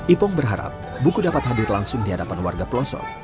ipong berharap buku dapat hadir langsung di hadapan warga pelosok